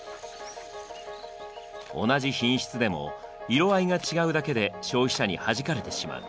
同じ品質でも色合いが違うだけで消費者にはじかれてしまう。